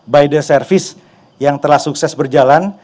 by the service yang telah sukses berjalan